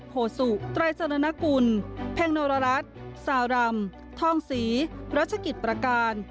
โพสุไตรสนกุลแพงโนรรัฐซารำทองศรีรัชกิจประการ